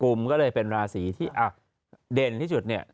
ก็เลยเป็นราศีที่เด่นที่สุดเนี่ย